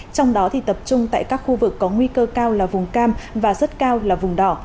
trong đó tập trung tại các khu vực có nguy cơ cao là vùng cam và rất cao là vùng đỏ